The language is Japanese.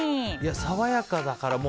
爽やかだから。